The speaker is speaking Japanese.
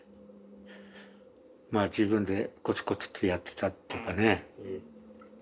まあ自分でコツコツとやってたっていうかね。